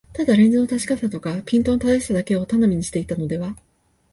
ただレンズの確かさとかピントの正しさだけを頼みにしていたのでは、